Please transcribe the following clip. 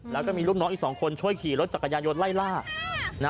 แล้วก็มีลูกน้องอีก๒คนช่วยขี่รถจักรยานยนต์ไล่ล่า